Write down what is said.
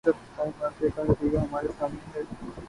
اس ابتدائی معرکے کا نتیجہ ہمارے سامنے ہے۔